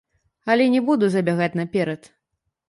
Але не буду забягаць наперад.